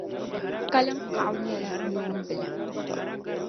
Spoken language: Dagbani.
Kaliŋkaɣu nyɛla noon'bila.